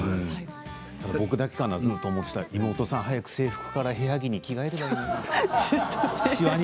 僕だけかな、思っていたの妹さん、早く制服から部屋着に着替えればいいのに。